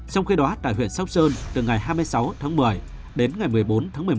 trong khi đó tại huyện sóc sơn từ ngày hai mươi sáu tháng một mươi đến ngày một mươi bốn tháng một mươi một